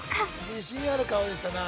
「自信ある顔でしたな」